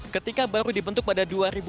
ketika baru dibentuk pada dua ribu empat belas